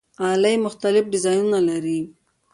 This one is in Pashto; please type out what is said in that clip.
غالۍ مختلف ډیزاینونه لري.